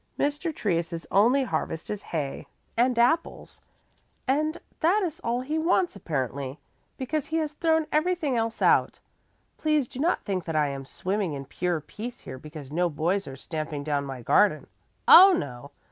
Mr. Trius's only harvest is hay and apples, and that is all he wants apparently, because he has thrown everything else out. Please do not think that I am swimming in pure peace here because no boys are stamping down my garden. Oh, no!